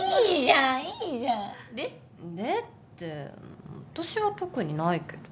って私は特にないけど。